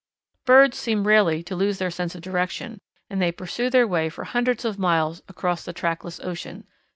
Birds seem rarely to lose their sense of direction, and they pursue their way for hundreds of miles across the trackless ocean.